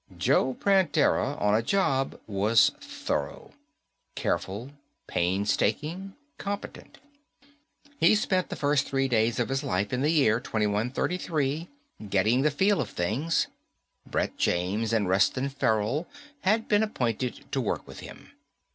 Joe Prantera on a job was thorough. Careful, painstaking, competent. He spent the first three days of his life in the year 2133 getting the feel of things. Brett James and Reston Farrell had been appointed to work with him.